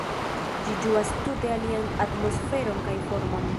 Ĝi ĝuas tute alian atmosferon kaj formon.